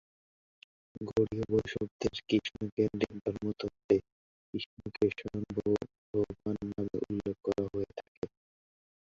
গৌড়ীয় বৈষ্ণবদের কৃষ্ণ-কেন্দ্রিক ধর্মতত্ত্বে কৃষ্ণকে "স্বয়ং ভগবান" নামে উল্লেখ করা হয়ে থাকে।